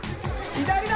左だ！